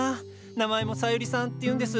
名前もサユリさんっていうんです。